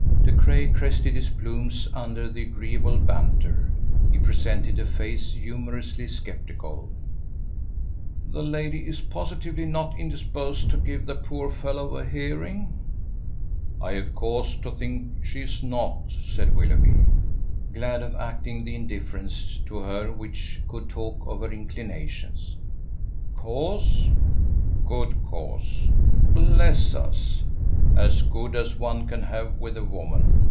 De Craye crested his plumes under the agreeable banter. He presented a face humourously sceptical. "The lady is positively not indisposed to give the poor fellow a hearing?" "I have cause to think she is not," said Willoughby, glad of acting the indifference to her which could talk of her inclinations. "Cause?" "Good cause." "Bless us!" "As good as one can have with a woman."